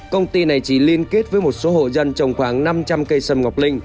công ty này chỉ liên kết với một số hộ dân trồng khoảng năm trăm linh cây sâm ngọc linh